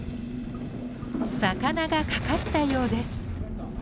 魚がかかったようです。